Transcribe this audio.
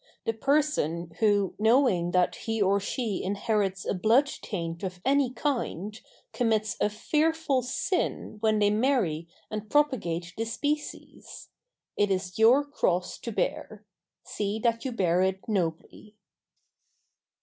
The person who, knowing that he or she inherits a blood taint of any kind, commits a fearful sin when they marry and propagate the species. It is your cross to bear. See that you bear it nobly.